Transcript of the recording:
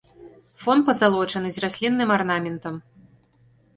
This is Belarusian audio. Фон пазалочаны з раслінным арнаментам.